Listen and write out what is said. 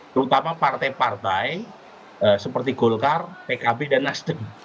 terutama partai partai seperti golkar pkb dan nasdem